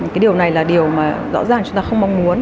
cái điều này là điều mà rõ ràng chúng ta không mong muốn